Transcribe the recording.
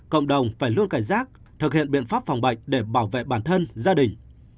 cộng đồng phải luôn cảnh giác thực hiện biện pháp phòng bệnh để bảo vệ bản thân gia đình